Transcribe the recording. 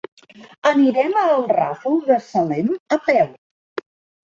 Anirem al Ràfol de Salem a peu.